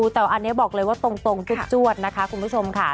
แต่อันนี้บอกเลยว่าตรงจวดนะคะคุณผู้ชมค่ะ